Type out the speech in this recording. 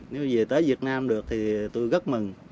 nếu về tới việt nam được thì tôi rất mừng